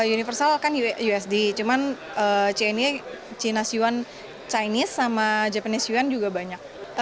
universal kan usd cuman cni chinase yuan chinese sama japanese yuan juga banyak